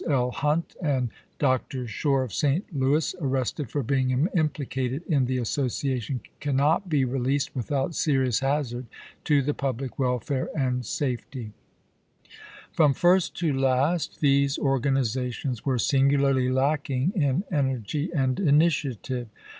L. Hunt and Dr. Shore of St. Louis, arrested for being implicated in the association, cannot be released without serious hazard to the to^unco?^, public welfare and safety." ise*. ms. From first to last these organizations were singularly lacking in energy and initiative.